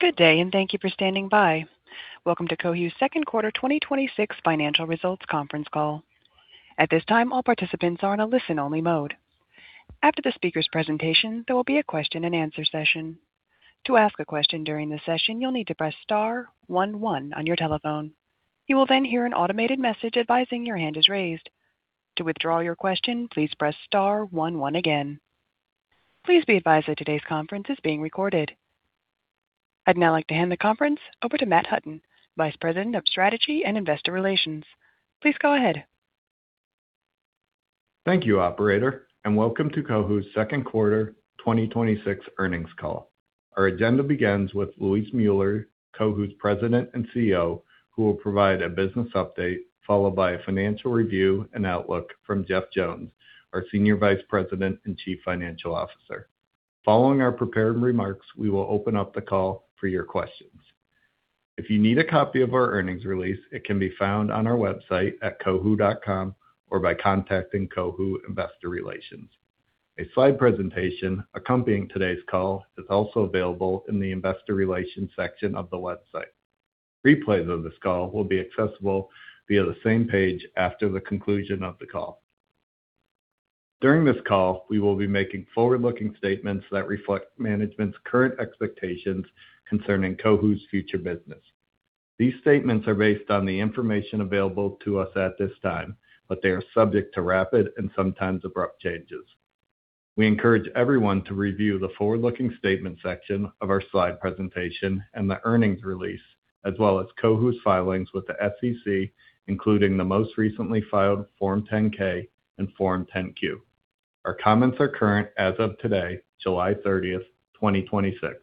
Good day. Thank you for standing by. Welcome to Cohu's second quarter 2026 financial results conference call. At this time, all participants are in a listen-only mode. After the speaker's presentation, there will be a question and answer session. To ask a question during the session, you'll need to press star one one on your telephone. You will hear an automated message advising your hand is raised. To withdraw your question, please press star one one again. Please be advised that today's conference is being recorded. I'd now like to hand the conference over to Matt Hutton, Vice President of Strategy and Investor Relations. Please go ahead. Thank you, operator, and welcome to Cohu's second quarter 2026 earnings call. Our agenda begins with Luis Müller, Cohu's President and CEO, who will provide a business update, followed by a financial review and outlook from Jeff Jones, our Senior Vice President and Chief Financial Officer. Following our prepared remarks, we will open up the call for your questions. If you need a copy of our earnings release, it can be found on our website at cohu.com or by contacting Cohu Investor Relations. A slide presentation accompanying today's call is also available in the investor relations section of the website. Replays of this call will be accessible via the same page after the conclusion of the call. During this call, we will be making forward-looking statements that reflect management's current expectations concerning Cohu's future business. These statements are based on the information available to us at this time, but they are subject to rapid and sometimes abrupt changes. We encourage everyone to review the forward-looking statement section of our slide presentation and the earnings release, as well as Cohu's filings with the SEC, including the most recently filed Form 10-K and Form 10-Q. Our comments are current as of today, July 30th, 2026,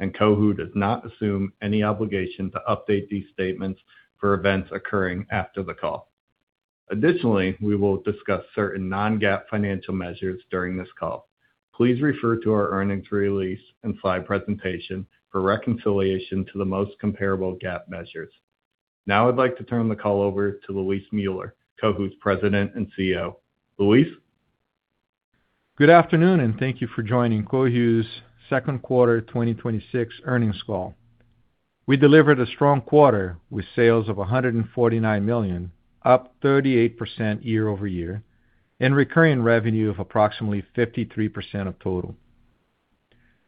and Cohu does not assume any obligation to update these statements for events occurring after the call. Additionally, we will discuss certain non-GAAP financial measures during this call. Please refer to our earnings release and slide presentation for reconciliation to the most comparable GAAP measures. Now I'd like to turn the call over to Luis Müller, Cohu's President and CEO. Luis? Good afternoon, and thank you for joining Cohu's second quarter 2026 earnings call. We delivered a strong quarter with sales of $149 million, up 38% year-over-year, and recurring revenue of approximately 53% of total.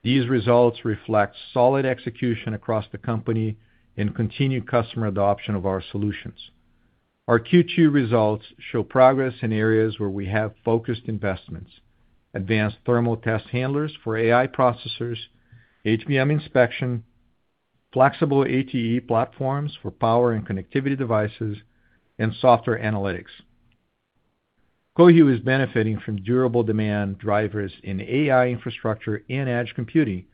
These results reflect solid execution across the company and continued customer adoption of our solutions. Our Q2 results show progress in areas where we have focused investments, advanced thermal test handlers for AI processors, HVM inspection, flexible ATE platforms for power and connectivity devices, and software analytics. Cohu is benefiting from durable demand drivers in AI infrastructure and edge computing,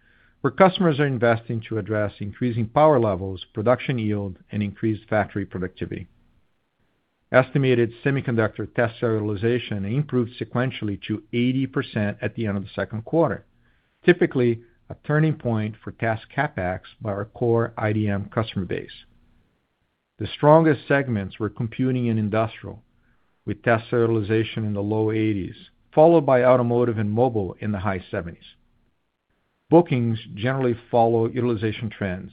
where customers are investing to address increasing power levels, production yield, and increased factory productivity. Estimated semiconductor test serialization improved sequentially to 80% at the end of the second quarter, typically a turning point for test CapEx by our core IDM customer base. The strongest segments were computing and industrial, with test serialization in the low 80s, followed by automotive and mobile in the high 70s. Bookings generally follow utilization trends,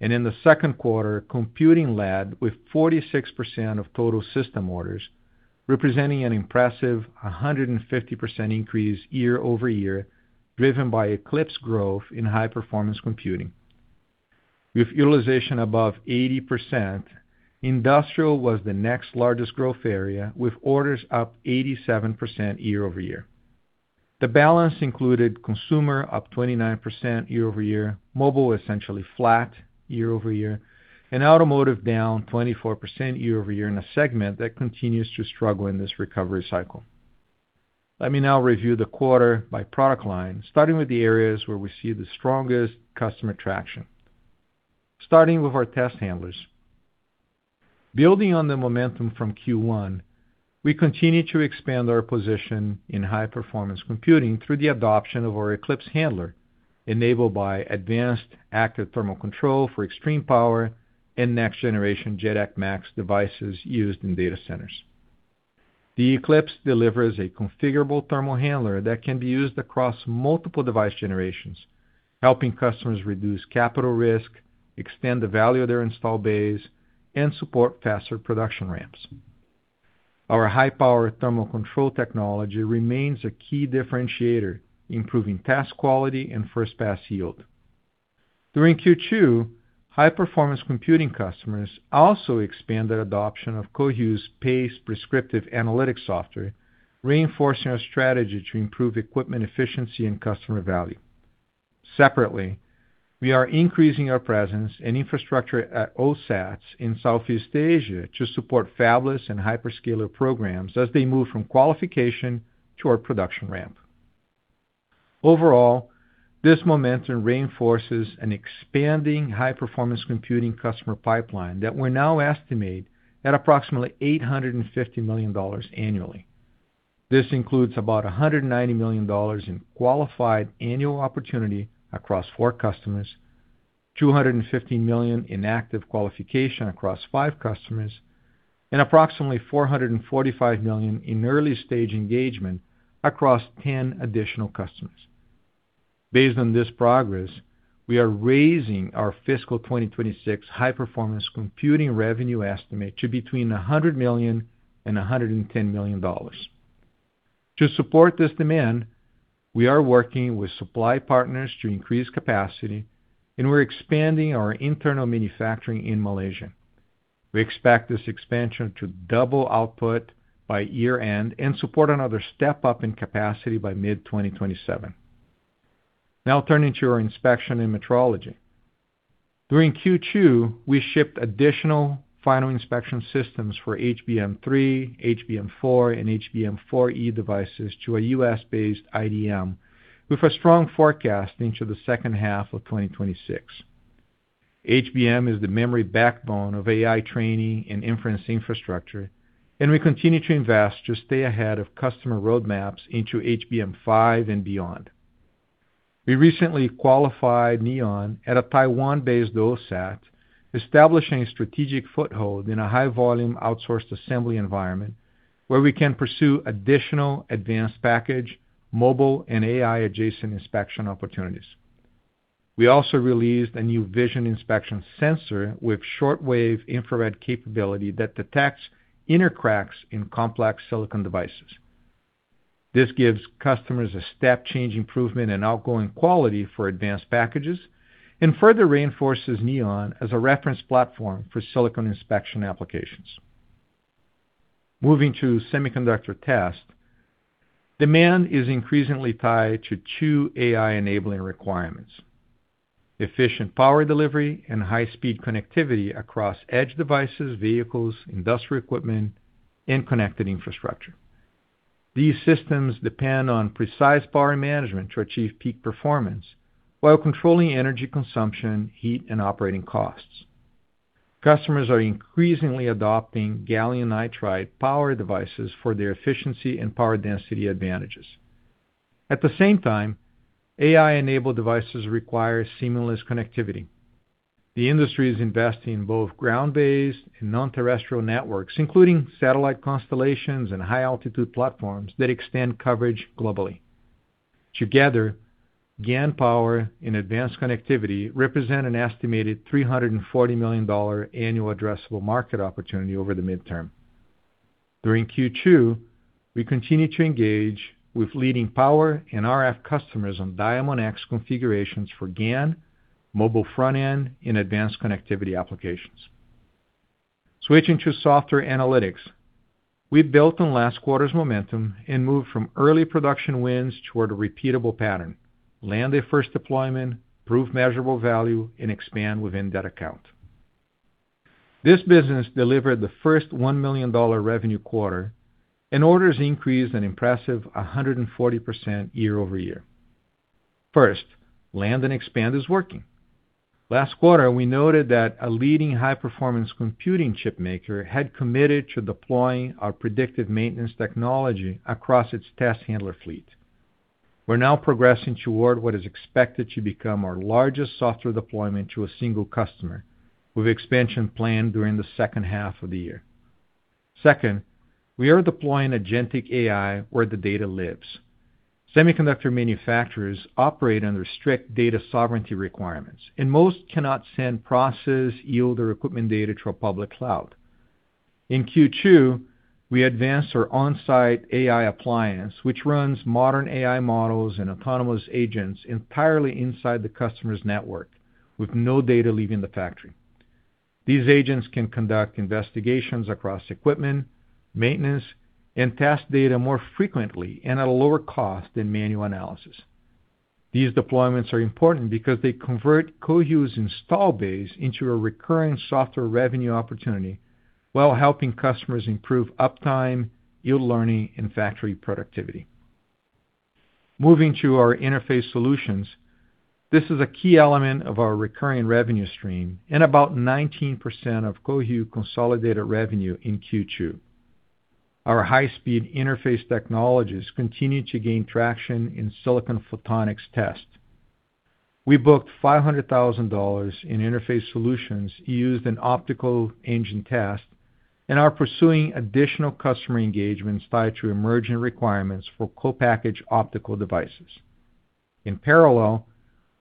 and in the second quarter, computing led with 46% of total system orders, representing an impressive 150% increase year-over-year, driven by Eclipse growth in high-performance computing. With utilization above 80%, industrial was the next largest growth area, with orders up 87% year-over-year. The balance included consumer up 29% year-over-year, mobile essentially flat year-over-year, and automotive down 24% year-over-year in a segment that continues to struggle in this recovery cycle. Let me now review the quarter by product line, starting with the areas where we see the strongest customer traction. Starting with our test handlers. Building on the momentum from Q1, we continue to expand our position in high-performance computing through the adoption of our Eclipse handler, enabled by advanced active thermal control for extreme power and next-generation JEDEC Max devices used in data centers. The Eclipse delivers a configurable thermal handler that can be used across multiple device generations, helping customers reduce capital risk, extend the value of their installed base, and support faster production ramps. Our high-power thermal control technology remains a key differentiator, improving test quality and first-pass yield. During Q2, high-performance computing customers also expanded adoption of Cohu's PAICe prescriptive analytics software, reinforcing our strategy to improve equipment efficiency and customer value. Separately, we are increasing our presence and infrastructure at OSATs in Southeast Asia to support fabless and hyperscaler programs as they move from qualification to our production ramp. Overall, this momentum reinforces an expanding high-performance computing customer pipeline that we now estimate at approximately $850 million annually. This includes about $190 million in qualified annual opportunity across four customers, $250 million in active qualification across five customers. Approximately $445 million in early-stage engagement across 10 additional customers. Based on this progress, we are raising our fiscal 2026 high-performance computing revenue estimate to between $100 million and $110 million. To support this demand, we are working with supply partners to increase capacity, and we're expanding our internal manufacturing in Malaysia. We expect this expansion to double output by year-end and support another step-up in capacity by mid-2027. Now turning to our inspection in metrology. During Q2, we shipped additional final inspection systems for HBM3, HBM4, and HBM4E devices to a U.S.-based IDM with a strong forecast into the second half of 2026. HBM is the memory backbone of AI training and inference infrastructure, and we continue to invest to stay ahead of customer roadmaps into HBM5 and beyond. We recently qualified Neon at a Taiwan-based OSAT, establishing a strategic foothold in a high-volume outsourced assembly environment where we can pursue additional advanced package, mobile, and AI-adjacent inspection opportunities. We also released a new vision inspection sensor with shortwave infrared capability that detects inner cracks in complex silicon devices. This gives customers a step-change improvement in outgoing quality for advanced packages and further reinforces Neon as a reference platform for silicon inspection applications. Moving to semiconductor test. Demand is increasingly tied to two AI-enabling requirements, efficient power delivery and high-speed connectivity across edge devices, vehicles, industrial equipment, and connected infrastructure. These systems depend on precise power management to achieve peak performance while controlling energy consumption, heat, and operating costs. Customers are increasingly adopting Gallium Nitride power devices for their efficiency and power density advantages. At the same time, AI-enabled devices require seamless connectivity. The industry is investing in both ground-based and non-terrestrial networks, including satellite constellations and high-altitude platforms that extend coverage globally. Together, GaN power and advanced connectivity represent an estimated $340 million annual addressable market opportunity over the midterm. During Q2, we continued to engage with leading power and RF customers on Diamondx configurations for GaN, mobile front-end, and advanced connectivity applications. Switching to software analytics. We built on last quarter's momentum and moved from early production wins toward a repeatable pattern: land a first deployment, prove measurable value, and expand within that account. This business delivered the first $1 million revenue quarter, and orders increased an impressive 140% year-over-year. First, land and expand is working. Last quarter, we noted that a leading high-performance computing chipmaker had committed to deploying our predictive maintenance technology across its test handler fleet. We are now progressing toward what is expected to become our largest software deployment to a single customer, with expansion planned during the second half of the year. Second, we are deploying agentic AI where the data lives. Semiconductor manufacturers operate under strict data sovereignty requirements, and most cannot send process, yield, or equipment data to a public cloud. In Q2, we advanced our on-site AI appliance, which runs modern AI models and autonomous agents entirely inside the customer's network with no data leaving the factory. These agents can conduct investigations across equipment, maintenance, and test data more frequently and at a lower cost than manual analysis. These deployments are important because they convert Cohu's install base into a recurring software revenue opportunity while helping customers improve uptime, yield learning, and factory productivity. Moving to our interface solutions. This is a key element of our recurring revenue stream and about 19% of Cohu consolidated revenue in Q2. Our high-speed interface technologies continue to gain traction in silicon photonics test. We booked $500,000 in interface solutions used in optical engine test and are pursuing additional customer engagements tied to emerging requirements for co-packaged optical devices. In parallel,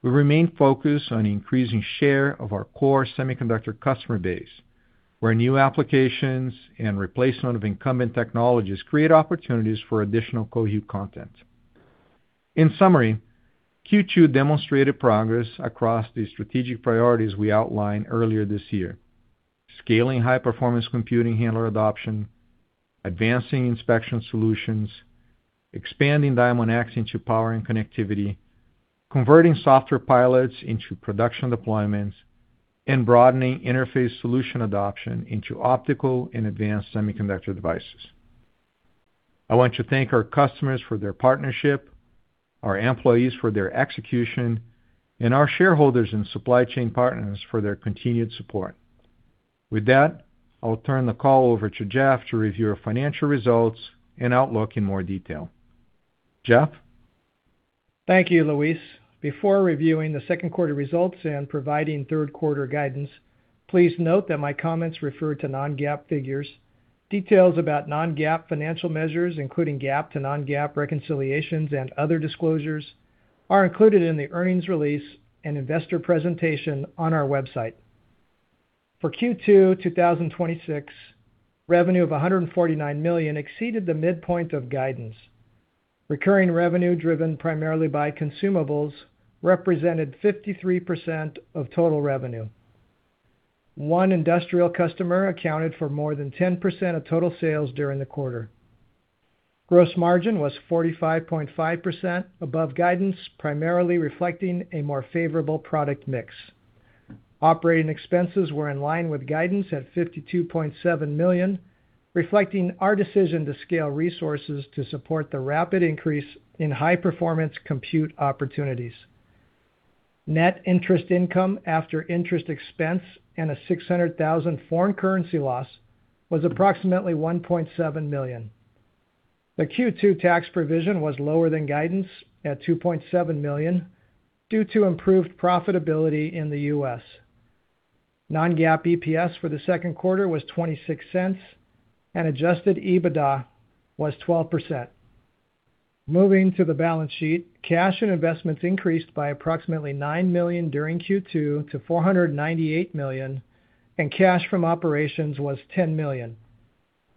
we remain focused on increasing share of our core semiconductor customer base where new applications and replacement of incumbent technologies create opportunities for additional Cohu content. In summary, Q2 demonstrated progress across the strategic priorities we outlined earlier this year. Scaling high-performance computing handler adoption, advancing inspection solutions, expanding Diamondx into power and connectivity, converting software pilots into production deployments, and broadening interface solution adoption into optical and advanced semiconductor devices. I want to thank our customers for their partnership, our employees for their execution, and our shareholders and supply chain partners for their continued support. With that, I will turn the call over to Jeff to review our financial results and outlook in more detail. Jeff? Thank you, Luis. Before reviewing the second quarter results and providing third quarter guidance, please note that my comments refer to non-GAAP figures. Details about non-GAAP financial measures, including GAAP to non-GAAP reconciliations and other disclosures, are included in the earnings release and investor presentation on our website. For Q2 2026, revenue of $149 million exceeded the midpoint of guidance. Recurring revenue, driven primarily by consumables, represented 53% of total revenue. One industrial customer accounted for more than 10% of total sales during the quarter. Gross margin was 45.5%, above guidance, primarily reflecting a more favorable product mix. Operating expenses were in line with guidance at $52.7 million, reflecting our decision to scale resources to support the rapid increase in High-Performance Compute opportunities. Net interest income after interest expense and a $600,000 foreign currency loss was approximately $1.7 million. The Q2 tax provision was lower than guidance at $2.7 million due to improved profitability in the U.S. non-GAAP EPS for the second quarter was $0.26, and adjusted EBITDA was 12%. Moving to the balance sheet, cash and investments increased by approximately $9 million during Q2 to $498 million, and cash from operations was $10 million.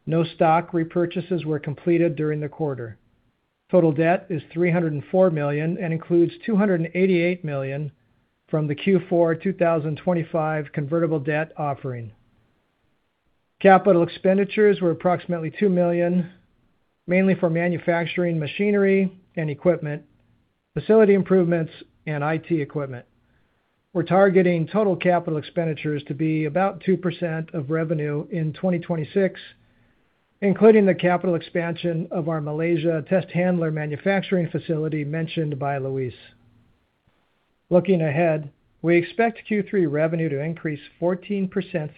No stock repurchases were completed during the quarter. Total debt is $304 million and includes $288 million from the Q4 2025 convertible debt offering. Capital expenditures were approximately $2 million, mainly for manufacturing machinery and equipment, facility improvements, and IT equipment. We are targeting total Capital expenditures to be about 2% of revenue in 2026, including the capital expansion of our Malaysia test handler manufacturing facility mentioned by Luis. Looking ahead, we expect Q3 revenue to increase 14%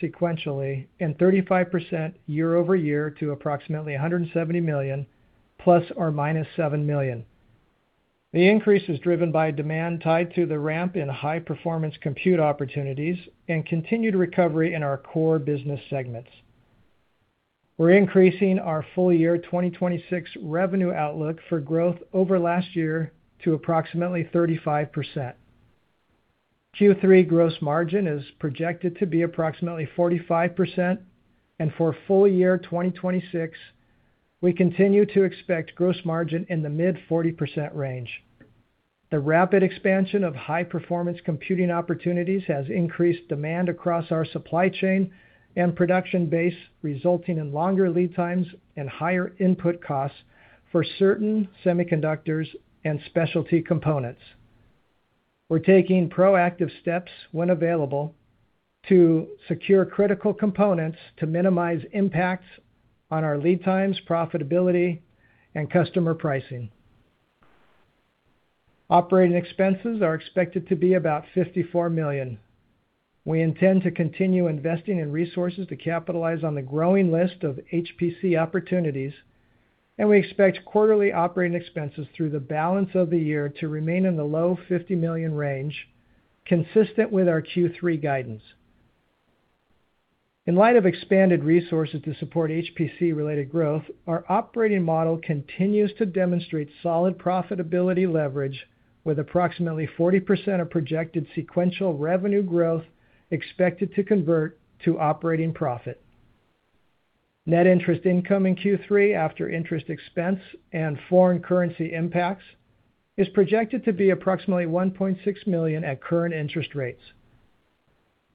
sequentially and 35% year-over-year to approximately $170 million, ±$7 million. The increase is driven by demand tied to the ramp in High-Performance Compute opportunities and continued recovery in our core business segments. We are increasing our full year 2026 revenue outlook for growth over last year to approximately 35%. Q3 gross margin is projected to be approximately 45%, and for full year 2026, we continue to expect gross margin in the mid 40% range. The rapid expansion of High-Performance Computing opportunities has increased demand across our supply chain and production base, resulting in longer lead times and higher input costs for certain semiconductors and specialty components. We are taking proactive steps when available to secure critical components to minimize impacts on our lead times, profitability, and customer pricing. Operating expenses are expected to be about $54 million. We intend to continue investing in resources to capitalize on the growing list of HPC opportunities. We expect quarterly operating expenses through the balance of the year to remain in the low $50 million range, consistent with our Q3 guidance. In light of expanded resources to support HPC-related growth, our operating model continues to demonstrate solid profitability leverage with approximately 40% of projected sequential revenue growth expected to convert to operating profit. Net interest income in Q3 after interest expense and foreign currency impacts is projected to be approximately $1.6 million at current interest rates.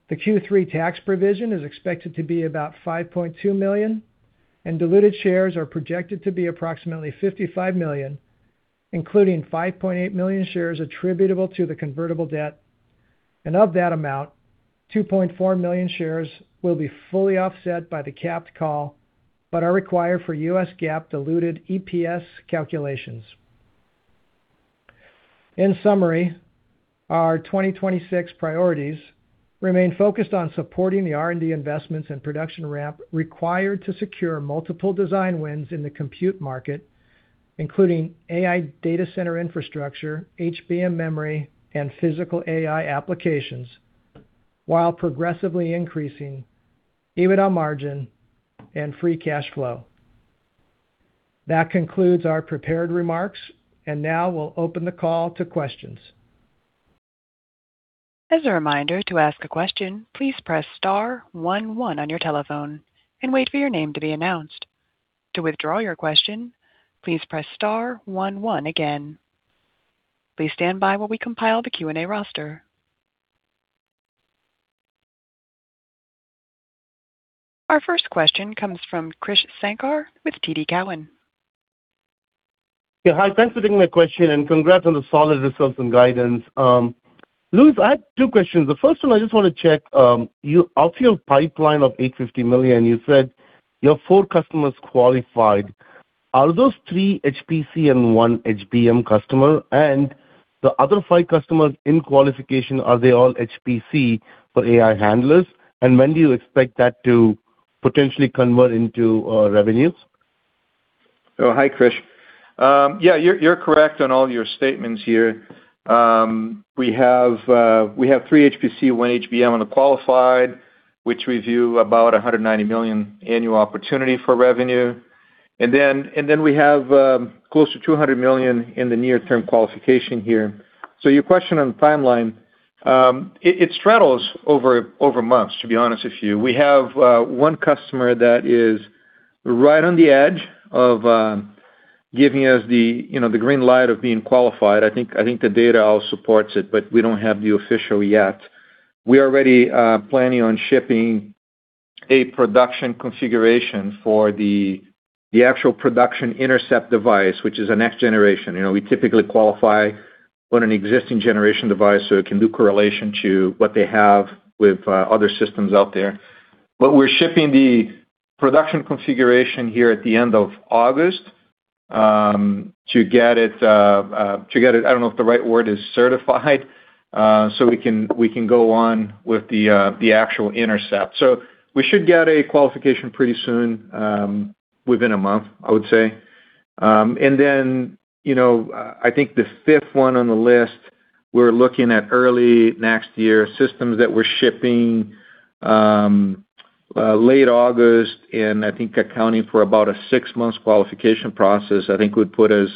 The Q3 tax provision is expected to be about $5.2 million, and diluted shares are projected to be approximately 55 million, including 5.8 million shares attributable to the convertible debt. Of that amount, 2.4 million shares will be fully offset by the capped call, but are required for U.S. GAAP diluted EPS calculations. In summary, our 2026 priorities remain focused on supporting the R&D investments and production ramp required to secure multiple design wins in the compute market, including AI data center infrastructure, HBM memory, and physical AI applications, while progressively increasing EBITDA margin and free cash flow. That concludes our prepared remarks, and now we'll open the call to questions. As a reminder, to ask a question, please press star one one on your telephone and wait for your name to be announced. To withdraw your question, please press star one one again. Please stand by while we compile the Q&A roster. Our first question comes from Krish Sankar with TD Cowen. Yeah. Hi, thanks for taking my question. Congrats on the solid results and guidance. Luis, I have two questions. The first one I just want to check, off your pipeline of $850 million, you said your four customers qualified. Are those three HPC and one HBM customer? The other five customers in qualification, are they all HPC for AI handlers? When do you expect that to potentially convert into revenues. Oh, hi, Krish. Yeah, you're correct on all your statements here. We have three HPC, one HBM on a qualified, which we view about $190 million annual opportunity for revenue. We have close to $200 million in the near-term qualification here. Your question on timeline, it straddles over months, to be honest with you. We have one customer that is right on the edge of giving us the green light of being qualified. I think the data all supports it, but we don't have the official yet. We're already planning on shipping a production configuration for the actual production intercept device, which is a next generation. We typically qualify on an existing generation device, so it can do correlation to what they have with other systems out there. We're shipping the production configuration here at the end of August to get it, I don't know if the right word is certified, so we can go on with the actual intercept. We should get a qualification pretty soon, within a month, I would say. Then I think the fifth one on the list, we're looking at early next year, systems that we're shipping late August, and I think accounting for about a six months qualification process, I think would put us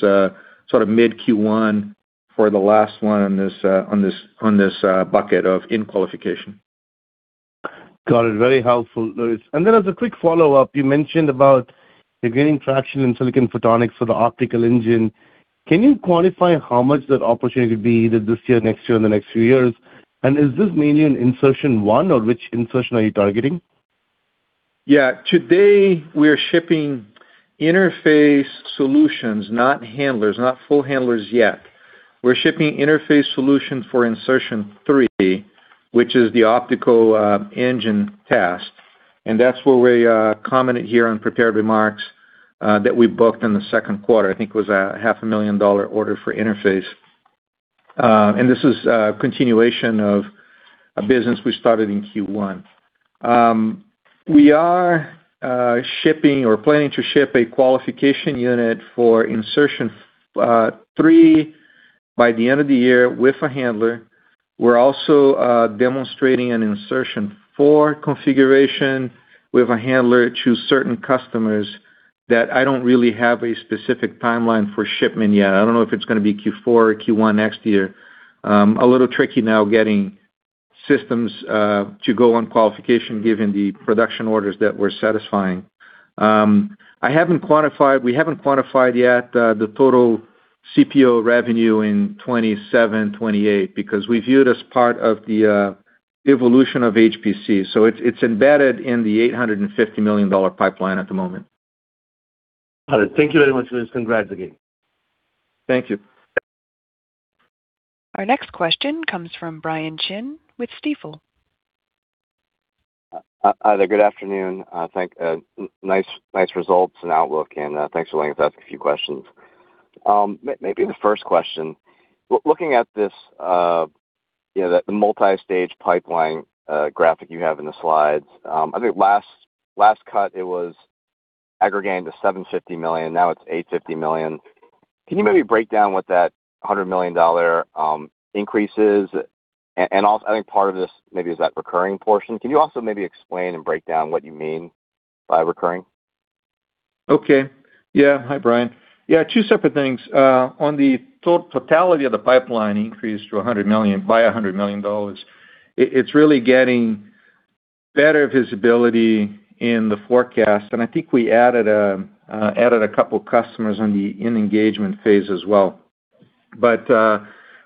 sort of mid Q1 for the last one on this bucket of in-qualification. Got it. Very helpful, Luis. As a quick follow-up, you mentioned about you're gaining traction in silicon photonics for the optical engine. Can you quantify how much that opportunity could be either this year, next year, or the next few years? Is this mainly an insertion 1 or which insertion are you targeting? Yeah. Today we are shipping interface solutions, not handlers, not full handlers yet. We're shipping interface solutions for insertion 3, which is the optical engine test. That's where we commented here on prepared remarks, that we booked in the second quarter. I think it was a half a million dollar order for interface. This is a continuation of a business we started in Q1. We are shipping or planning to ship a qualification unit for insertion 3 by the end of the year with a handler. We're also demonstrating an insertion 4 configuration with a handler to certain customers that I don't really have a specific timeline for shipment yet. I don't know if it's going to be Q4 or Q1 next year. A little tricky now getting systems to go on qualification given the production orders that we're satisfying. We haven't quantified yet the total CPO revenue in 2027, 2028 because we view it as part of the evolution of HPC. It's embedded in the $850 million pipeline at the moment. Got it. Thank you very much, Luis. Congrats again. Thank you. Our next question comes from Brian Chin with Stifel. Hi there. Good afternoon. Nice results and outlook, and thanks for letting us ask a few questions. Maybe the first question. Looking at this, the multi-stage pipeline graphic you have in the slides. I think last cut it was aggregating to $750 million, now it's $850 million. Can you maybe break down what that $100 million increase is? Also, I think part of this maybe is that recurring portion. Can you also maybe explain and break down what you mean by recurring? Okay. Yeah. Hi, Brian. Yeah, two separate things. On the totality of the pipeline increase by $100 million, it's really getting better visibility in the forecast. I think we added a couple customers on the in-engagement phase as well. But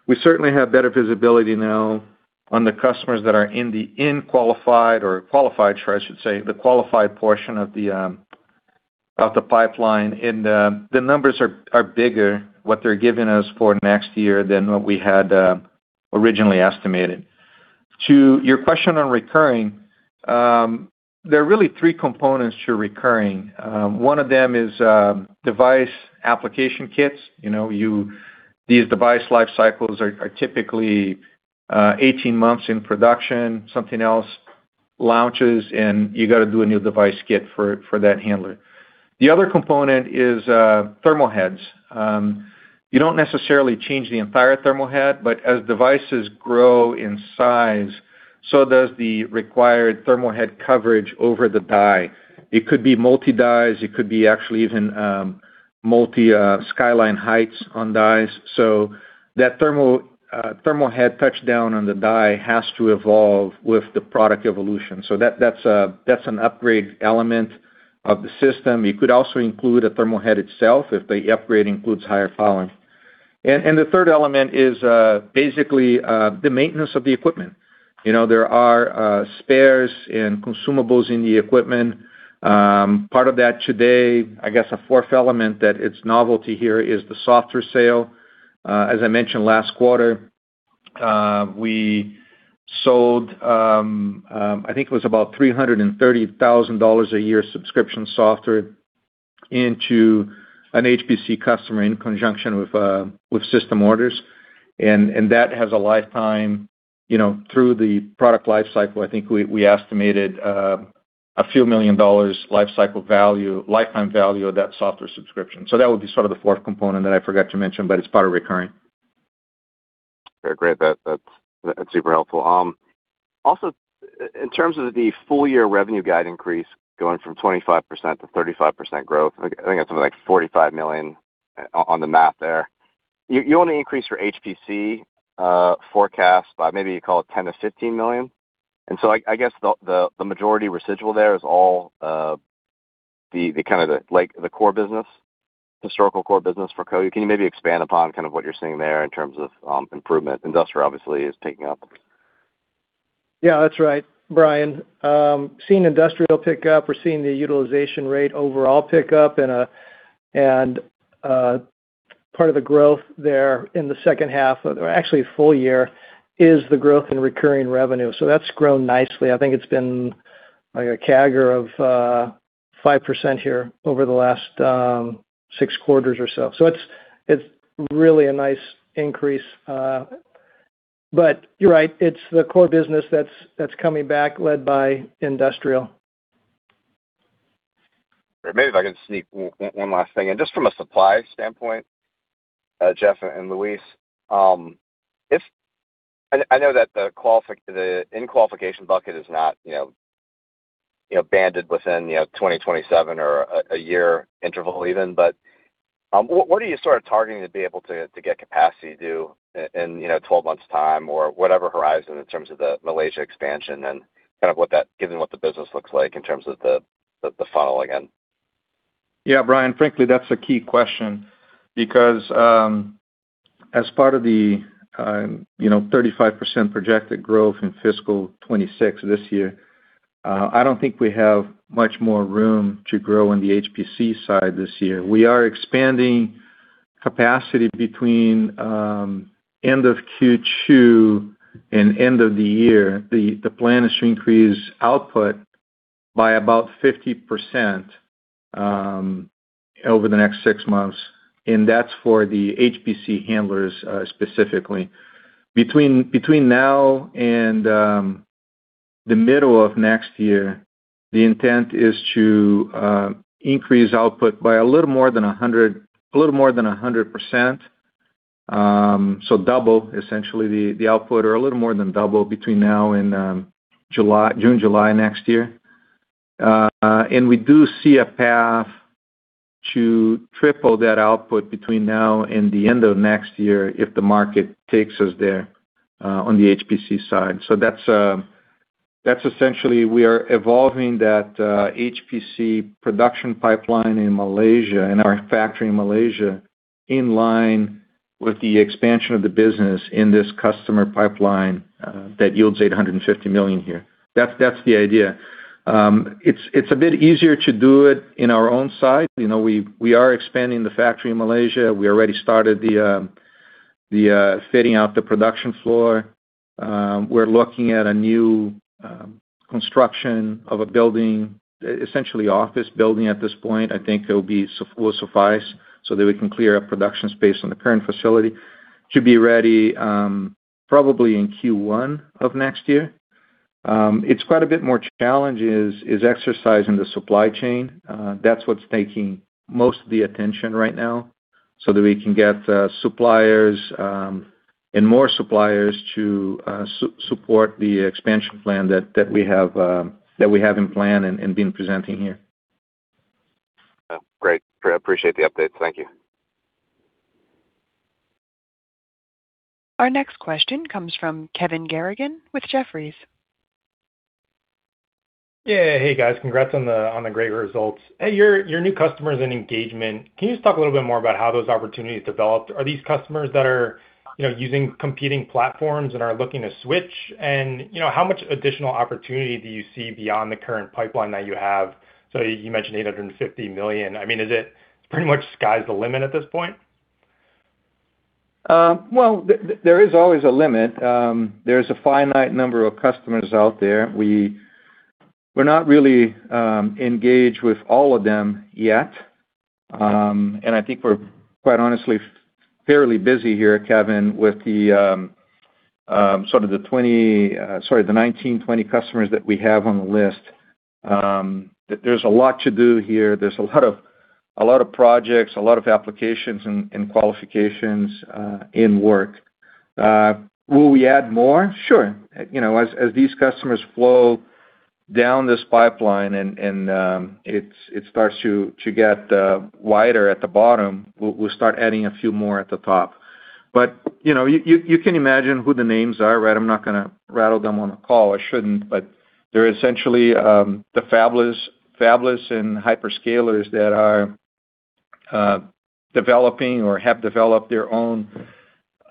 we certainly have better visibility now on the customers that are in the in-qualified or qualified, or I should say, the qualified portion of the pipeline. The numbers are bigger, what they're giving us for next year than what we had originally estimated. To your question on recurring, there are really three components to recurring. One of them is device application kits. These device life cycles are typically 18 months in production. Something else launches, and you got to do a new device kit for that handler. The other component is thermal heads. You don't necessarily change the entire thermal head, but as devices grow in size, so does the required thermal head coverage over the die. It could be multi-dies, it could be actually even multi skyline heights on dies. That thermal head touch down on the die has to evolve with the product evolution. That's an upgrade element of the system. You could also include a thermal head itself if the upgrade includes higher power. The third element is basically the maintenance of the equipment. There are spares and consumables in the equipment. Part of that today, I guess a fourth element that it's novelty here is the software sale. As I mentioned last quarter, we sold, I think it was about $330,000 a year subscription software into an HPC customer in conjunction with system orders. That has a lifetime, through the product life cycle, I think we estimated a few million dollars lifetime value of that software subscription. That would be sort of the fourth component that I forgot to mention, but it's part of recurring. Okay, great. That's super helpful. Also, in terms of the full-year revenue guide increase going from 25%-35% growth, I think that's something like $45 million on the math there. You only increased your HPC forecast by maybe you call it $10 million-$15 million. I guess the majority residual there is all the core business, historical core business for Cohu. Can you maybe expand upon kind of what you're seeing there in terms of improvement? Industrial obviously is picking up. That's right, Brian. Seeing industrial pick up, we're seeing the utilization rate overall pick up, and part of the growth there in the second half, or actually full year, is the growth in recurring revenue. That's grown nicely. I think it's been like a CAGR of 5% here over the last six quarters or so. It's really a nice increase. You're right, it's the core business that's coming back led by industrial. Maybe if I can sneak one last thing in. Just from a supply standpoint, Jeff and Luis, I know that the in qualification bucket is not banded within 2027 or a year interval even, what are you sort of targeting to be able to get capacity due in 12 months time or whatever horizon in terms of the Malaysia expansion and kind of given what the business looks like in terms of the funnel again? Brian, frankly, that's a key question because as part of the 35% projected growth in fiscal 2026 this year, I don't think we have much more room to grow in the HPC side this year. We are expanding capacity between end of Q2 and end of the year. The plan is to increase output by about 50% over the next six months, and that's for the HPC handlers specifically. Between now and the middle of next year, the intent is to increase output by a little more than 100%. Double essentially the output or a little more than double between now and June, July next year. We do see a path to triple that output between now and the end of next year if the market takes us there on the HPC side. That's essentially, we are evolving that HPC production pipeline in Malaysia and our factory in Malaysia in line with the expansion of the business in this customer pipeline that yields $850 million here. That's the idea. It's a bit easier to do it in our own site. We are expanding the factory in Malaysia. We already started the fitting out the production floor. We're looking at a new construction of a building, essentially office building at this point, I think will suffice so that we can clear up production space on the current facility to be ready probably in Q1 of next year. It's quite a bit more challenge is exercising the supply chain. That's what's taking most of the attention right now so that we can get suppliers and more suppliers to support the expansion plan that we have in plan and been presenting here. Great. Appreciate the updates. Thank you. Our next question comes from Kevin Garrigan with Jefferies. Hey, guys. Congrats on the great results. Your new customers and engagement, can you just talk a little bit more about how those opportunities developed? Are these customers that are using competing platforms and are looking to switch? How much additional opportunity do you see beyond the current pipeline that you have? You mentioned $850 million. I mean, is it pretty much sky's the limit at this point? Well, there is always a limit. There's a finite number of customers out there. We're not really engaged with all of them yet. I think we're quite honestly fairly busy here, Kevin, with the 19, 20 customers that we have on the list. There's a lot to do here. There's a lot of projects, a lot of applications and qualifications in work. Will we add more? Sure. As these customers flow down this pipeline and it starts to get wider at the bottom, we'll start adding a few more at the top. You can imagine who the names are, right? I'm not going to rattle them on the call. I shouldn't, but they're essentially the fabless and hyperscalers that are developing or have developed their own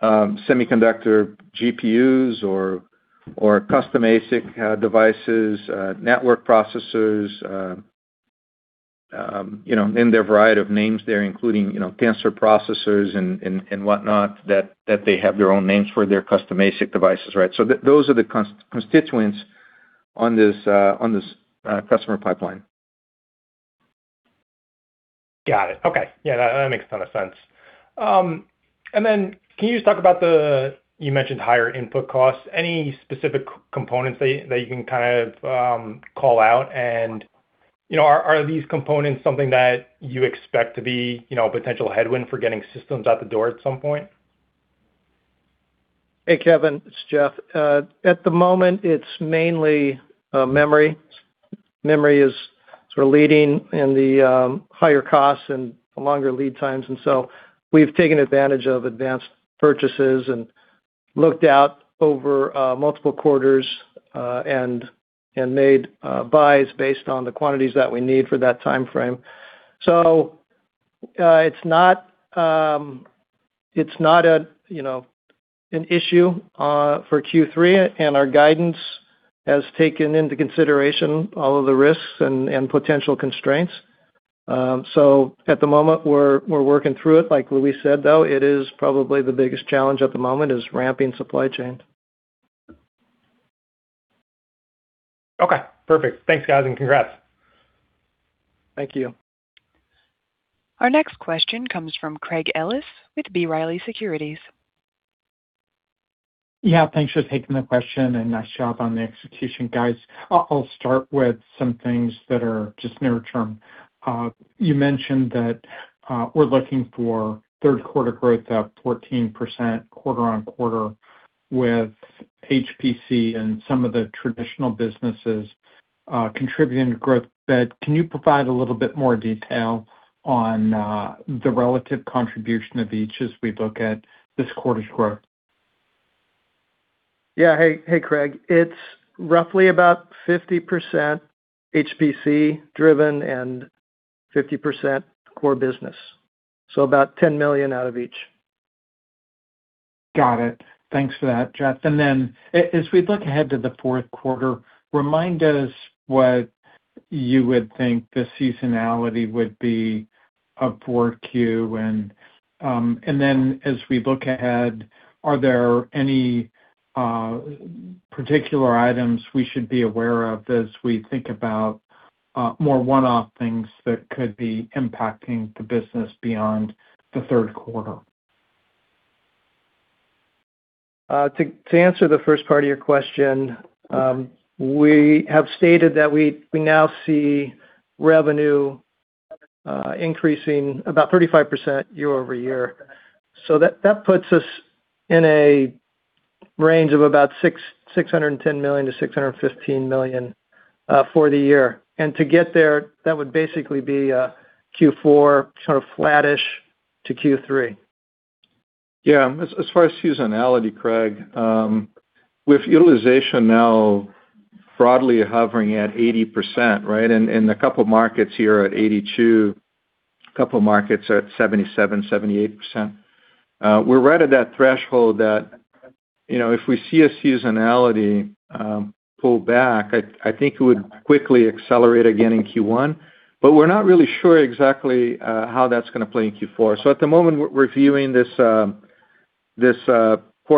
semiconductor GPUs or custom ASIC devices, network processors, and their variety of names there, including tensor processors and whatnot, that they have their own names for their custom ASIC devices, right? Those are the constituents on this customer pipeline. Got it. Okay. Yeah, that makes a ton of sense. Can you just talk about the, you mentioned higher input costs. Any specific components that you can call out, and are these components something that you expect to be a potential headwind for getting systems out the door at some point? Hey, Kevin, it's Jeff. At the moment, it's mainly memory. Memory is sort of leading in the higher costs and the longer lead times. We've taken advantage of advanced purchases and looked out over multiple quarters, and made buys based on the quantities that we need for that timeframe. It's not an issue for Q3, and our guidance has taken into consideration all of the risks and potential constraints. At the moment we're working through it. Like Luis said, though, it is probably the biggest challenge at the moment is ramping supply chain. Okay, perfect. Thanks, guys, and congrats. Thank you. Our next question comes from Craig Ellis with B. Riley Securities. Yeah. Thanks for taking the question, and nice job on the execution, guys. I'll start with some things that are just near term. You mentioned that we're looking for third quarter growth up 14% quarter-over-quarter with HPC and some of the traditional businesses contributing to growth. Can you provide a little bit more detail on the relative contribution of each as we look at this quarter's growth? Yeah. Hey, Craig. It's roughly about 50% HPC driven and 50% core business, so about $10 million out of each. Got it. Thanks for that, Jeff. As we look ahead to the fourth quarter, remind us what you would think the seasonality would be of 4Q. As we look ahead, are there any particular items we should be aware of as we think about more one-off things that could be impacting the business beyond the third quarter? To answer the first part of your question, we have stated that we now see revenue increasing about 35% year-over-year. That puts us in a range of about $610 million-$615 million for the year. To get there, that would basically be Q4 sort of flattish to Q3. Yeah. As far as seasonality, Craig, with utilization now broadly hovering at 80%, right, and a couple markets here at 82%, a couple markets are at 77%, 78%, we're right at that threshold that if we see a seasonality pull back, I think it would quickly accelerate again in Q1. We're not really sure exactly how that's going to play in Q4. At the moment, we're viewing this core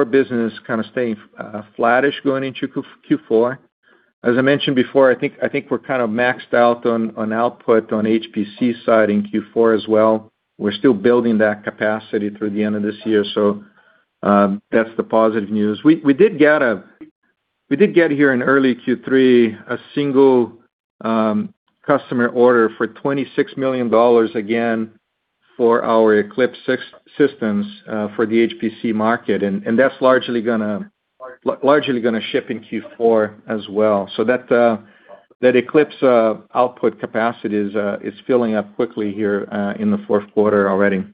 business kind of staying flattish going into Q4. As I mentioned before, I think we're kind of maxed out on output on HPC side in Q4 as well. We're still building that capacity through the end of this year, that's the positive news. We did get here in early Q3, a single customer order for $26 million, again, for our Eclipse systems for the HPC market, and that's largely going to ship in Q4 as well. That Eclipse output capacity is filling up quickly here in the fourth quarter already.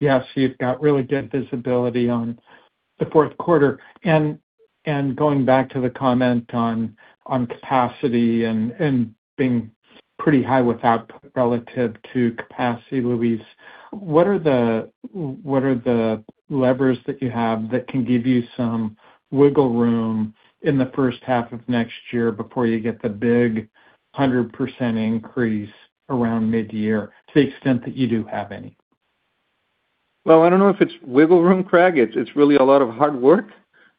Yeah. You've got really good visibility on the fourth quarter. Going back to the comment on capacity and being pretty high with output relative to capacity, Luis, what are the levers that you have that can give you some wiggle room in the first half of next year before you get the big 100% increase around mid-year, to the extent that you do have any? Well, I don't know if it's wiggle room, Craig. It's really a lot of hard work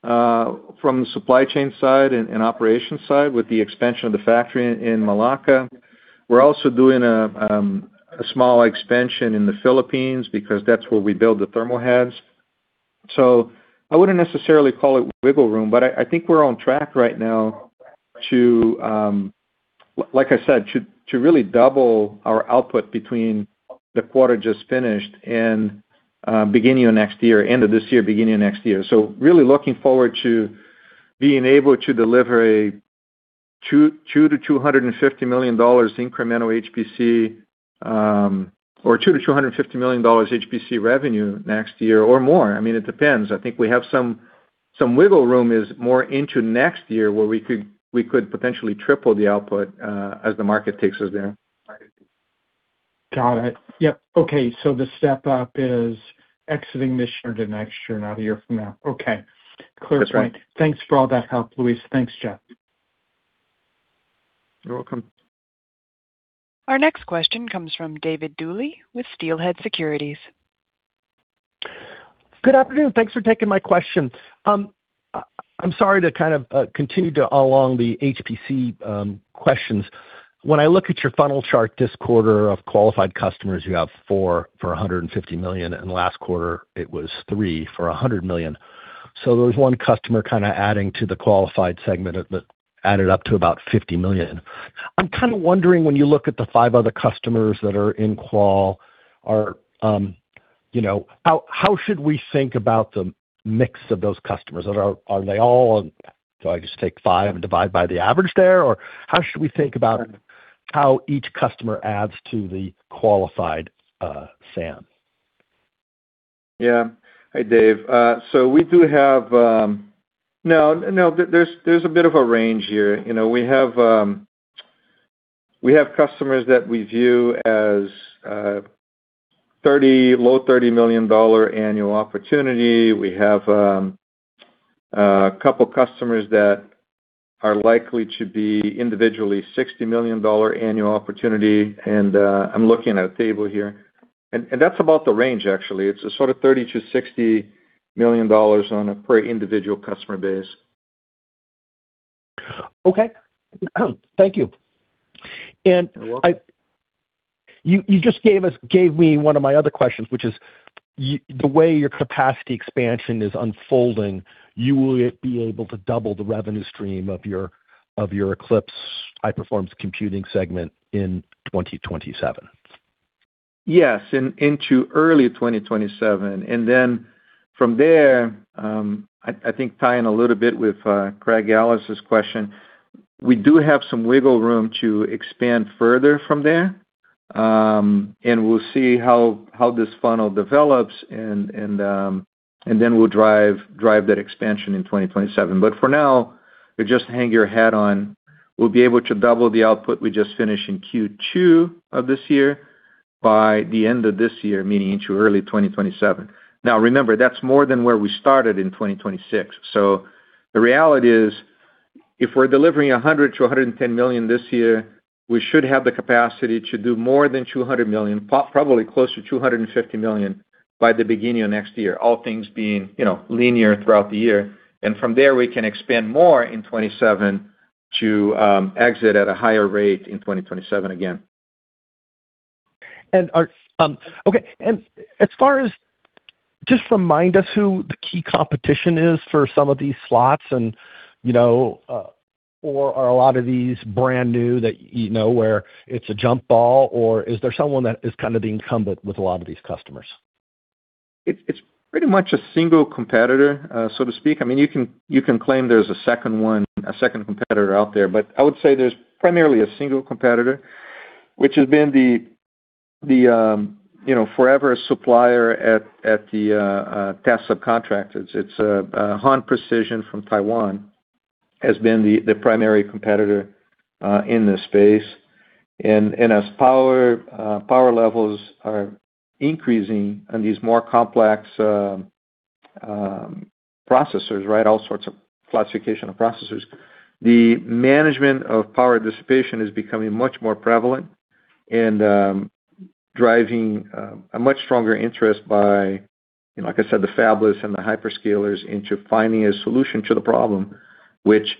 from the supply chain side and operations side with the expansion of the factory in Melaka. We're also doing a small expansion in the Philippines because that's where we build the thermal heads. I wouldn't necessarily call it wiggle room, but I think we're on track right now to, like I said, to really double our output between the quarter just finished and beginning of next year, end of this year, beginning of next year. Really looking forward to being able to deliver a $200 million-$250 million incremental HPC, or $200 million-$250 million HPC revenue next year or more. I mean, it depends. I think we have some wiggle room is more into next year where we could potentially triple the output as the market takes us there. Got it. Yep. Okay. The step-up is exiting this year to next year, not a year from now. Okay. That's right. Clear point. Thanks for all that help, Luis. Thanks, Jeff. You're welcome. Our next question comes from David Duley with Steelhead Securities. Good afternoon. Thanks for taking my question. I'm sorry to kind of continue along the HPC questions. When I look at your funnel chart this quarter of qualified customers, you have four for $150 million, and last quarter it was three for $100 million. There was one customer kind of adding to the qualified segment that added up to about $50 million. I'm kind of wondering, when you look at the five other customers that are in qual, how should we think about the mix of those customers? Do I just take five and divide by the average there? How should we think about how each customer adds to the qualified SAM? Hi, David. There's a bit of a range here. We have customers that we view as low $30 million annual opportunity. We have a couple customers that are likely to be individually $60 million annual opportunity. I'm looking at a table here, and that's about the range, actually. It's a sort of $30 million-$60 million on a per individual customer base. Okay. Thank you. You're welcome. You just gave me one of my other questions, which is the way your capacity expansion is unfolding, you will be able to double the revenue stream of your Eclipse high-performance computing segment in 2027. Yes, into early 2027. From there, I think tying a little bit with Craig Ellis's question, we do have some wiggle room to expand further from there. We'll see how this funnel develops, we'll drive that expansion in 2027. For now, just hang your hat on, we'll be able to double the output we just finished in Q2 of this year by the end of this year, meaning into early 2027. Remember, that's more than where we started in 2026. The reality is, if we're delivering $100 million-$110 million this year, we should have the capacity to do more than $200 million, probably closer to $250 million by the beginning of next year, all things being linear throughout the year. From there, we can expand more in 2027 to exit at a higher rate in 2027 again. Okay. Just remind us who the key competition is for some of these slots and, or are a lot of these brand new that where it's a jump ball, or is there someone that is kind of the incumbent with a lot of these customers? It's pretty much a single competitor, so to speak. You can claim there's a second competitor out there, but I would say there's primarily a single competitor, which has been the forever supplier at the task subcontractors. Hon Precision from Taiwan has been the primary competitor in this space. As power levels are increasing on these more complex processors, all sorts of classification of processors, the management of power dissipation is becoming much more prevalent and driving a much stronger interest by, like I said, the fabless and the hyperscalers into finding a solution to the problem, which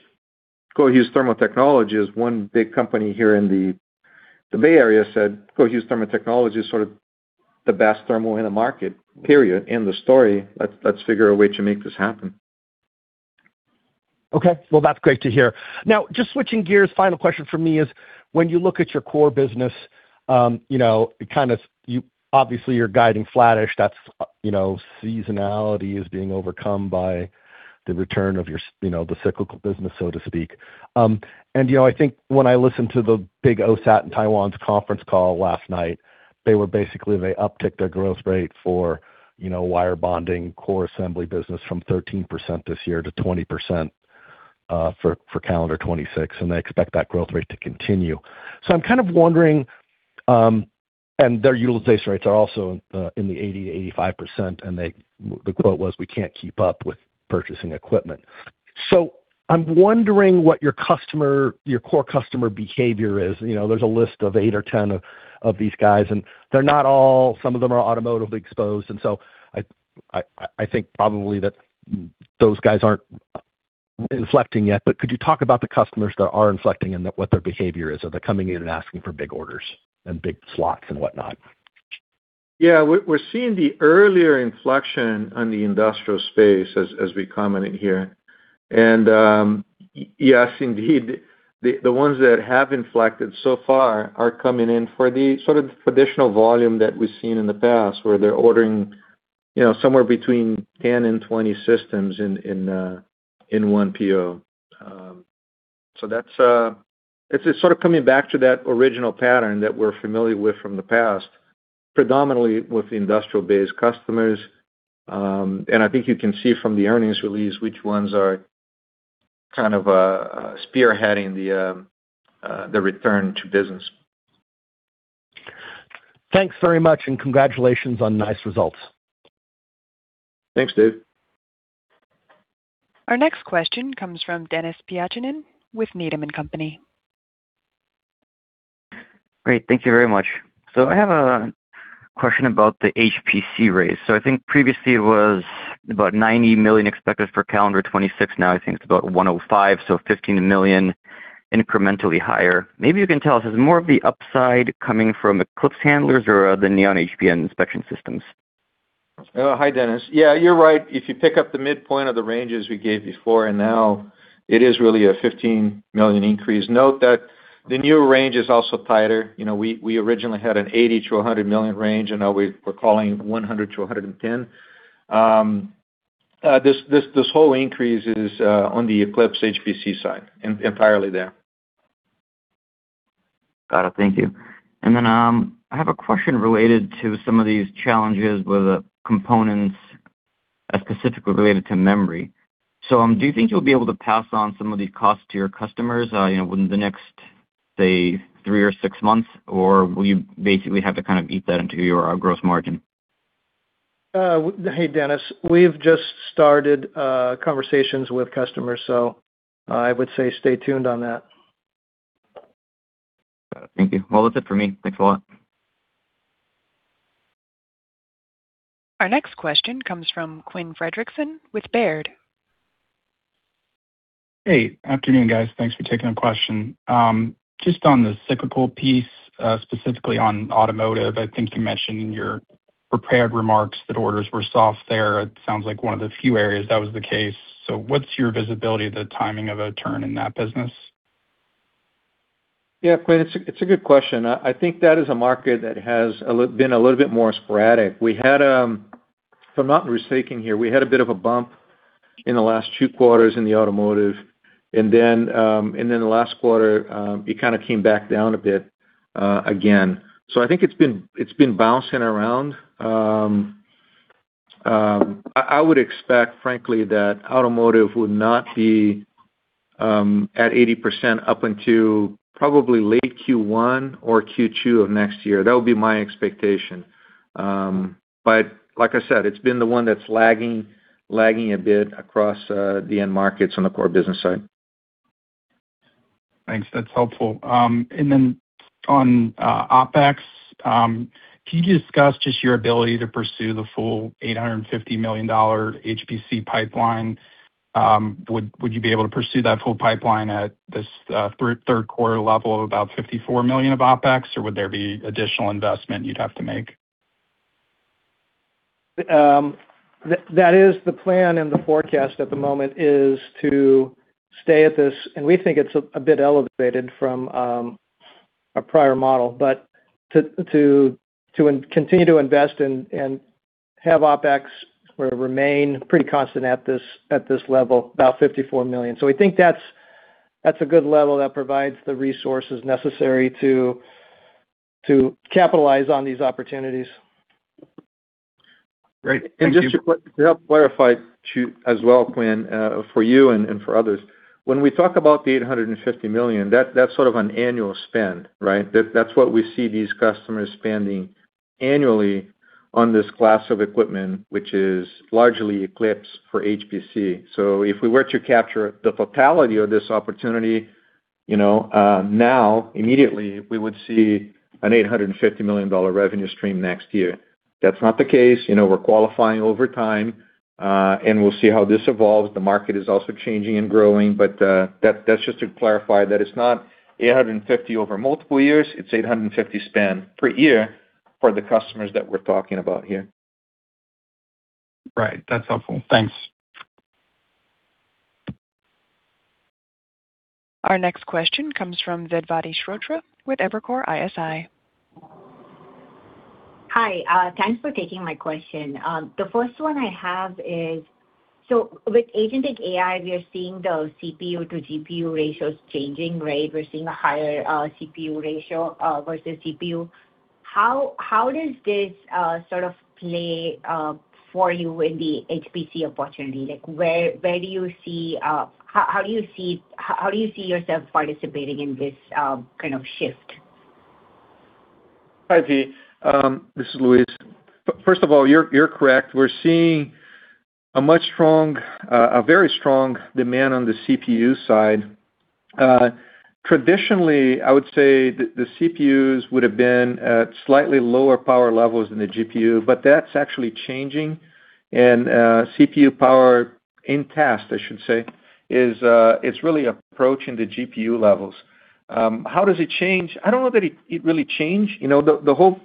Cohu's Thermal Technology is one big company here in the Bay Area, said Cohu's Thermal Technology is sort of the best thermal in the market, period. End the story. Let's figure a way to make this happen. Okay. Well, that's great to hear. Just switching gears, final question from me is, when you look at your core business, obviously you're guiding flattish. Seasonality is being overcome by the return of the cyclical business, so to speak. I think when I listened to the big OSAT in Taiwan's conference call last night, they were basically, they upticked their growth rate for wire bonding core assembly business from 13% this year to 20% for calendar 2026, and they expect that growth rate to continue. Their utilization rates are also in the 80%-85%, and the quote was, "We can't keep up with purchasing equipment." I'm wondering what your core customer behavior is. There's a list of eight or 10 of these guys, some of them are automotive exposed, so I think probably that those guys aren't inflecting yet. Could you talk about the customers that are inflecting and what their behavior is? Are they coming in and asking for big orders and big slots and whatnot? Yeah. We're seeing the earlier inflection on the industrial space as we commented here. Yes, indeed, the ones that have inflected so far are coming in for the sort of traditional volume that we've seen in the past, where they're ordering somewhere between 10 and 20 systems in one PO. It's sort of coming back to that original pattern that we're familiar with from the past, predominantly with the industrial-based customers. I think you can see from the earnings release which ones are kind of spearheading the return to business. Thanks very much, and congratulations on nice results. Thanks, Dave. Our next question comes from Denis Pyatchanin with Needham & Company. Great. Thank you very much. I have a question about the HPC raise. I think previously it was about $90 million expected for calendar 2026. I think it is about $105 million, $15 million incrementally higher. Maybe you can tell us, is more of the upside coming from Eclipse handlers or the Neon HBM inspection systems? Hi, Denis. Yeah, you're right. If you pick up the midpoint of the ranges we gave before and now, it is really a $15 million increase. Note that the new range is also tighter. We originally had an $80 million-$100 million range, now we're calling $100 million-$110 million. This whole increase is on the Eclipse HPC side, entirely there. Got it. Thank you. Then, I have a question related to some of these challenges with the components as specifically related to memory. Do you think you'll be able to pass on some of these costs to your customers within the next, say, three or six months? Will you basically have to kind of eat that into your gross margin? Hey, Denis. We've just started conversations with customers, so I would say stay tuned on that. Got it. Thank you. Well, that's it for me. Thanks a lot. Our next question comes from Quinn Fredrickson with Baird. Hey. Afternoon, guys. Thanks for taking the question. Just on the cyclical piece, specifically on automotive, I think you mentioned in your prepared remarks that orders were soft there. It sounds like one of the few areas that was the case. What's your visibility of the timing of a turn in that business? Yeah, Quinn, it's a good question. I think that is a market that has been a little bit more sporadic. If I'm not mistaken here, we had a bit of a bump in the last two quarters in the automotive, then the last quarter, it kind of came back down a bit again. I think it's been bouncing around. I would expect, frankly, that automotive would not be at 80% up until probably late Q1 or Q2 of next year. That would be my expectation. Like I said, it's been the one that's lagging a bit across the end markets on the core business side. Thanks. That's helpful. On OpEx, can you discuss just your ability to pursue the full $850 million HPC pipeline? Would you be able to pursue that full pipeline at this third quarter level of about $54 million of OpEx, or would there be additional investment you'd have to make? That is the plan and the forecast at the moment is to stay at this, and we think it's a bit elevated from our prior model, but to continue to invest and have OpEx remain pretty constant at this level, about $54 million. We think that's a good level that provides the resources necessary to capitalize on these opportunities. Great. Thank you. Just to help clarify too, as well, Quinn, for you and for others, when we talk about the $850 million, that's sort of an annual spend, right? That's what we see these customers spending annually on this class of equipment, which is largely Eclipse for HPC. If we were to capture the totality of this opportunity now, immediately, we would see an $850 million revenue stream next year. That's not the case. We're qualifying over time, and we'll see how this evolves. The market is also changing and growing. That's just to clarify that it's not $850 over multiple years. It's $850 spend per year for the customers that we're talking about here. Right. That's helpful. Thanks. Our next question comes from Vedvati Shrotre with Evercore ISI. Hi. Thanks for taking my question. The first one I have is, with agentic AI, we are seeing those CPU to GPU ratios changing, right? We're seeing a higher CPU ratio versus GPU. How does this sort of play for you in the HPC opportunity? Like, how do you see yourself participating in this kind of shift? Hi, Vee. This is Luis. First of all, you're correct. We're seeing a very strong demand on the CPU side. Traditionally, I would say the CPUs would've been at slightly lower power levels than the GPU, but that's actually changing. CPU power in task, I should say, it's really approaching the GPU levels. How does it change? I don't know that it really changed. The whole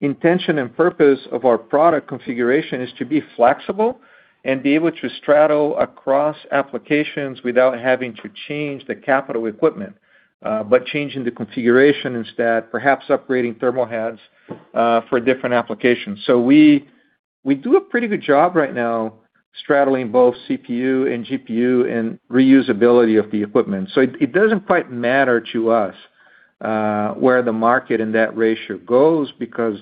intention and purpose of our product configuration is to be flexible and be able to straddle across applications without having to change the capital equipment. Changing the configuration instead, perhaps upgrading thermal heads for different applications. We do a pretty good job right now straddling both CPU and GPU and reusability of the equipment. It doesn't quite matter to us where the market and that ratio goes, because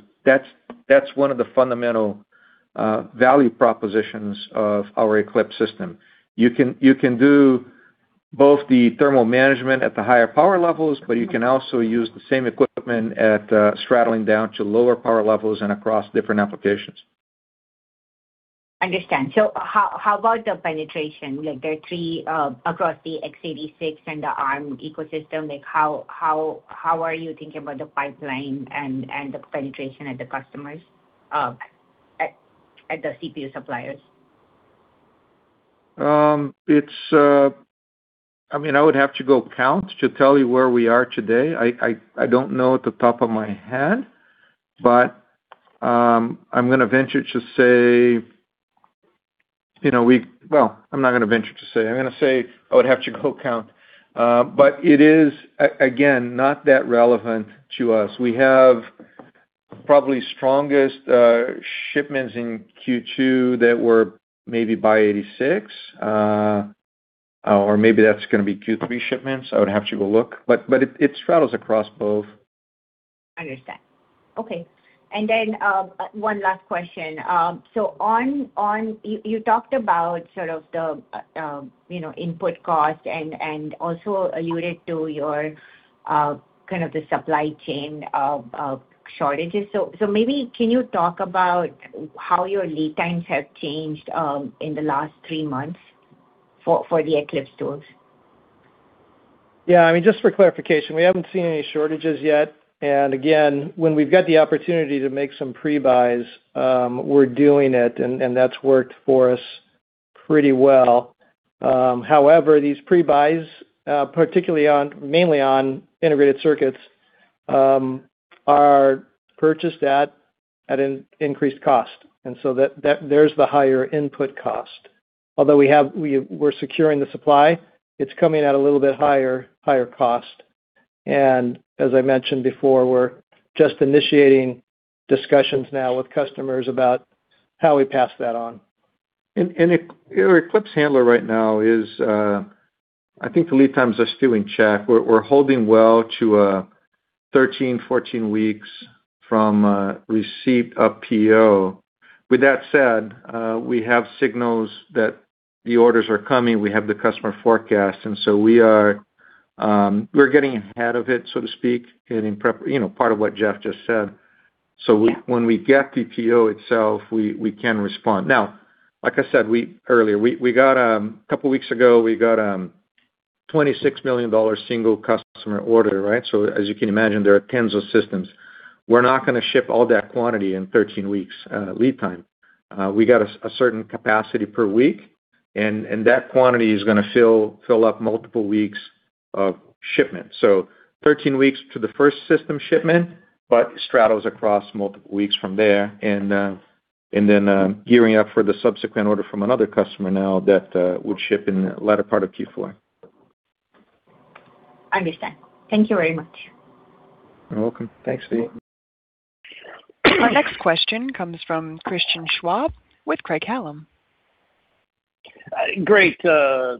that's one of the fundamental value propositions of our Eclipse system. You can do both the thermal management at the higher power levels, but you can also use the same equipment at straddling down to lower power levels and across different applications. Understand. How about the penetration? There are three across the x86 and the Arm ecosystem. How are you thinking about the pipeline and the penetration at the customers, at the CPU suppliers? I would have to go count to tell you where we are today. I don't know at the top of my head, Well, I'm not going to venture to say. I'm going to say I would have to go count. It is, again, not that relevant to us. We have probably strongest shipments in Q2 that were maybe by 86, or maybe that's going to be Q3 shipments. I would have to go look. It straddles across both. Understand. Okay. One last question. You talked about sort of the input cost and also alluded to your kind of the supply chain of shortages. Maybe can you talk about how your lead times have changed in the last three months for the Eclipse tools? Yeah. Just for clarification, we haven't seen any shortages yet. Again, when we've got the opportunity to make some pre-buys, we're doing it, and that's worked for us pretty well. However, these pre-buys, mainly on integrated circuits, are purchased at an increased cost, there's the higher input cost. Although we're securing the supply, it's coming at a little bit higher cost. As I mentioned before, we're just initiating discussions now with customers about how we pass that on. Eclipse handler right now is, I think the lead times are still in check. We're holding well to 13, 14 weeks from receipt of PO. With that said, we have signals that the orders are coming, we have the customer forecast, we're getting ahead of it, so to speak, getting Part of what Jeff just said. Yeah. When we get the PO itself, we can respond. Now, like I said earlier, a couple of weeks ago, we got a $26 million single customer order. As you can imagine, there are tens of systems. We're not going to ship all that quantity in 13 weeks lead time. We got a certain capacity per week, that quantity is going to fill up multiple weeks of shipment. 13 weeks to the first system shipment, but it straddles across multiple weeks from there, gearing up for the subsequent order from another customer now that would ship in the latter part of Q4. Understand. Thank you very much. You're welcome. Thanks, Vee. Our next question comes from Christian Schwab with Craig-Hallum. Great.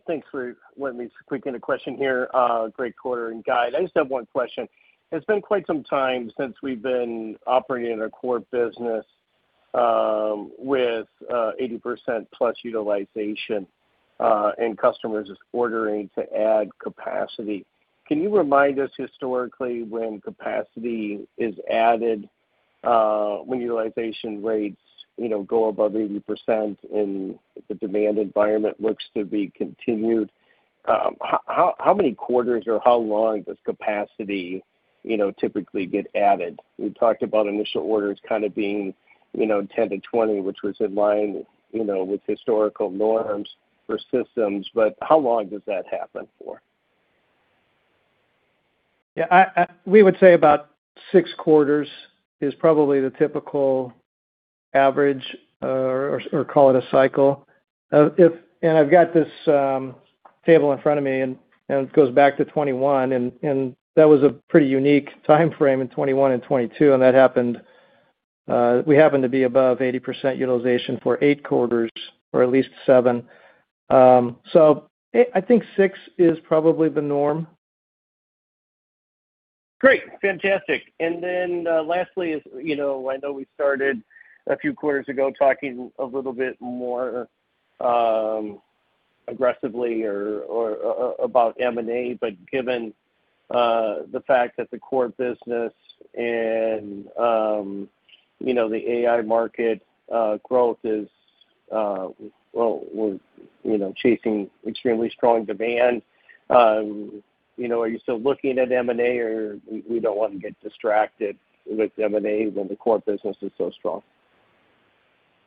Thanks for letting me squeak in a question here. Great quarter and guide. I just have one question. It's been quite some time since we've been operating in a core business with 80% plus utilization, and customers is ordering to add capacity. Can you remind us historically when capacity is added, when utilization rates go above 80% and the demand environment looks to be continued, how many quarters or how long does capacity typically get added? We talked about initial orders kind of being 10-20, which was in line with historical norms for systems, but how long does that happen for? We would say about six quarters is probably the typical average, or call it a cycle. I've got this table in front of me, and it goes back to 2021, and that was a pretty unique timeframe in 2021 and 2022, and we happened to be above 80% utilization for eight quarters, or at least seven. I think six is probably the norm. Great. Fantastic. Then, lastly is, I know we started a few quarters ago talking a little bit more aggressively or about M&A, but given the fact that the core business and the AI market growth is, we're chasing extremely strong demand, are you still looking at M&A, or we don't want to get distracted with M&A when the core business is so strong?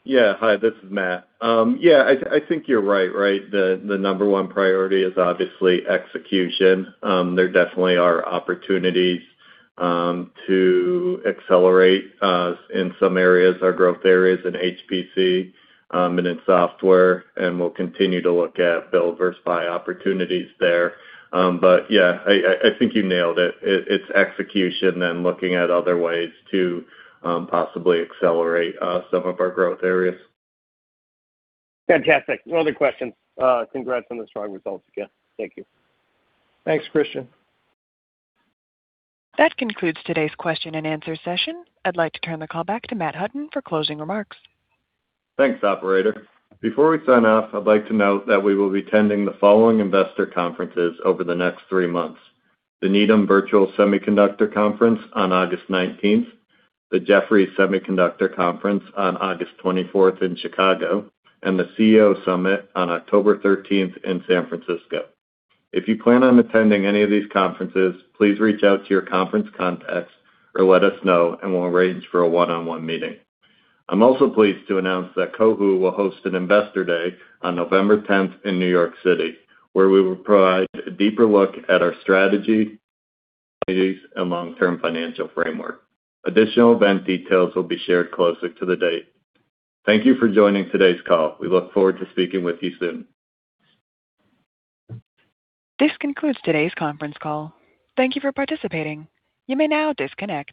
Hi, this is Matt. I think you're right. The number one priority is obviously execution. There definitely are opportunities to accelerate in some areas, our growth areas in HPC and in software. We'll continue to look at build versus buy opportunities there. I think you nailed it. It's execution, then looking at other ways to possibly accelerate some of our growth areas. Fantastic. No other questions. Congrats on the strong results again. Thank you. Thanks, Christian. That concludes today's question and answer session. I'd like to turn the call back to Matt Hutton for closing remarks. Thanks, operator. Before we sign off, I'd like to note that we will be attending the following investor conferences over the next three months: the Needham Virtual Semiconductor Conference on August 19th, the Jefferies Semiconductor Conference on August 24th in Chicago, and the CEO Summit on October 13th in San Francisco. If you plan on attending any of these conferences, please reach out to your conference contacts or let us know, and we'll arrange for a one-on-one meeting. I'm also pleased to announce that Cohu will host an investor day on November 10th in New York City, where we will provide a deeper look at our strategy, capabilities, and long-term financial framework. Additional event details will be shared closer to the date. Thank you for joining today's call. We look forward to speaking with you soon. This concludes today's conference call. Thank you for participating. You may now disconnect.